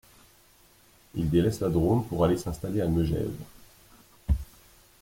Il délaisse la Drôme pour aller s'installer à Megève.